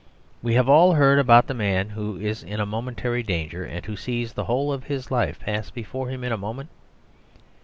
We have all heard about the man who is in momentary danger, and who sees the whole of his life pass before him in a moment.